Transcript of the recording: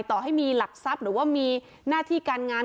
ต่อให้มีหลักทรัพย์หรือว่ามีหน้าที่การงาน